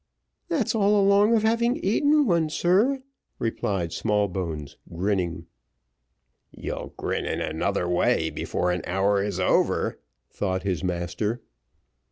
"That's all along of having eaten one, sir," replied Smallbones, grinning. "You'll grin in another way before an hour is over," thought his master.